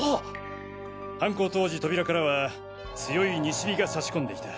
犯行当時扉からは強い西日が差し込んでいた。